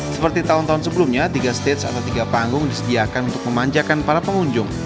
seperti tahun tahun sebelumnya tiga stage atau tiga panggung disediakan untuk memanjakan para pengunjung